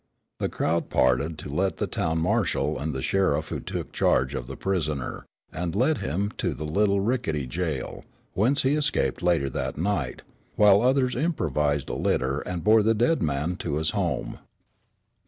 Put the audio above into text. The crowd parted to let in the town marshal and the sheriff who took charge of the prisoner, and led him to the little rickety jail, whence he escaped later that night; while others improvised a litter, and bore the dead man to his home.